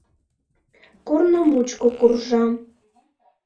— Корно мучко куржам.